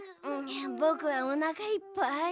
ぼくはおなかいっぱい。